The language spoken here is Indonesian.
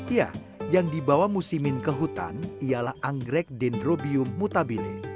ya yang dibawa musimin ke hutan ialah anggrek dendrobium mutabine